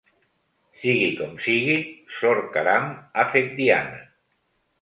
Sigui com sigui, sor Caram ha fet diana.